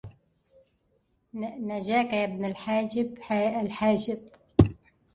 نجاك يا ابن الحاجب الحاجب